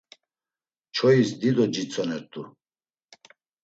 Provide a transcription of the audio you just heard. Çoyis dido citzonert̆u.